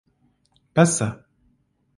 بەسە.